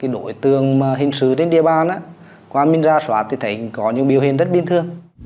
đồi tường hình xứ trên địa bàn qua mình ra soát thì thấy có những biểu hiện rất bình thường